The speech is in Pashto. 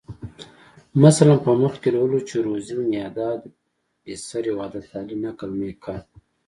مثلاً په مخ کې لولو چې روزي میاداد پسر وحدت علي نقل میکرد.